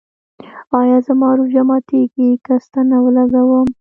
ایا زما روژه ماتیږي که ستنه ولګوم؟